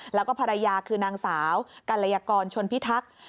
แล้วก็ภรรยาคือนางสาวกัลยากรชนพิทักษ์